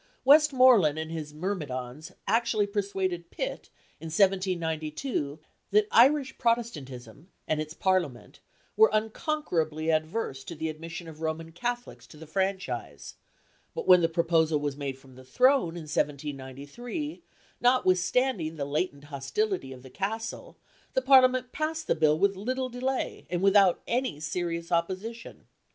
Westmoreland and his myrmidons actually persuaded Pitt, in 1792, that Irish Protestantism and its Parliament were unconquerably adverse to the admission of Roman Catholics to the franchise; but when the proposal was made from the Throne in 1793, notwithstanding the latent hostility of the Castle, the Parliament passed the Bill with little delay, and "without any serious opposition."